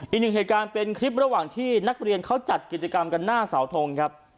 อีกหนึ่งเหตุการณ์เป็นคลิประหว่างที่นักเรียนเขาจัดกิจกรรมกันหน้าเสาทงครับ